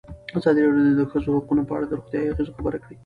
ازادي راډیو د د ښځو حقونه په اړه د روغتیایي اغېزو خبره کړې.